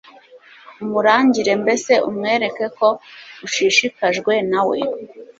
umurangire mbese umwereke ko ushishikajwe nawe